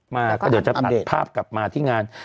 มาก็เดี๋ยวจะตัดภาพกลับมาที่งาน